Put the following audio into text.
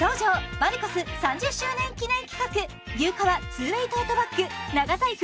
バルコス３０周年記念企画牛革２ｗａｙトートバッグ長財布